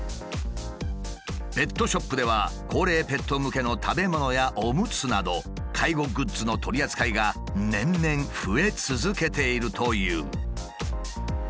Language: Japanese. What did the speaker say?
ペットショップでは高齢ペット向けの食べ物やおむつなど介護グッズの取り扱いが年々増え続けているという。